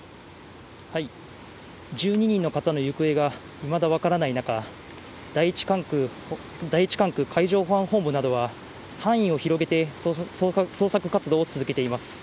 １２人の方の行方がいまだ分からない中、第１管区海上保安本部などは、範囲を広げて捜索活動を続けています。